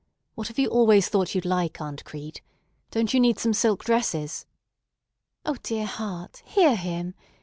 What have you always thought you'd like, Aunt Crete? Don't you need some silk dresses?" "O dear heart! Hear him!